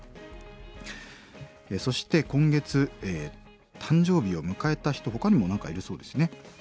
そして今月誕生日を迎えた人ほかにも何かいるそうですね。